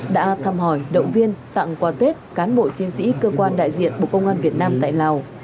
đã thăm hỏi động viên tặng quà tết cán bộ chiến sĩ cơ quan đại diện bộ công an việt nam tại lào